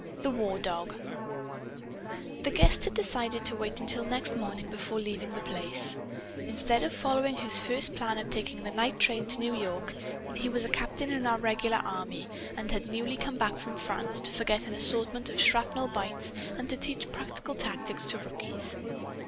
The War Dog The guest had decided to wait until next morning, before leaving The Place, instead of following his first plan of taking a night train to New York. He was a captain in our regular army and had newly come back from France to forget an assortment of shrapnel bites and to teach practical tactics to rookies.